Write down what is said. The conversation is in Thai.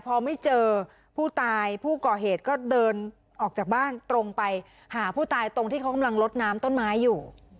พอไม่เจอผู้ตายผู้ก่อเหตุ